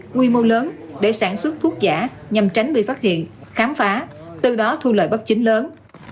quy mô lớn để sản xuất thuốc giả nhằm tránh bị phát hiện khám phá từ đó thu lợi bất chính lớn